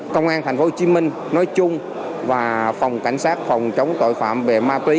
công an tp hcm nói chung và phòng cảnh sát phòng chống tội phạm về ma túy